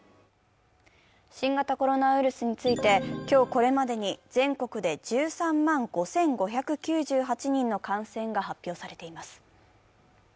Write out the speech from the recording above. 新型コロナウイルスについて、今日これまでに全国で１３万５５９８人の感染が発表されています。